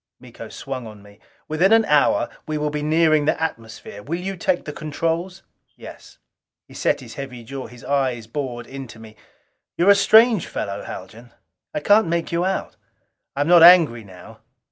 Miko swung on me. "Within an hour we will be nearing the atmosphere. Will you take the controls?" "Yes." He set his heavy jaw. His eyes bored into me. "You're a strange fellow, Haljan. I can't make you out. I am not angry now.